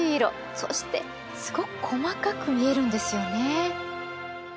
そしてすごく細かく見えるんですよね。